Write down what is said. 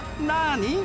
何？